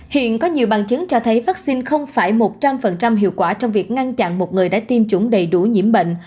hiện có nhiều bằng chứng cho thấy vaccine không phải một trăm linh hiệu quả trong việc ngăn chặn một người đã tiêm chủng đầy đủ nhiễm bệnh